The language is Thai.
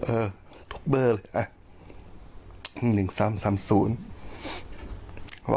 เออทุกเบอร์เลยอ่ะ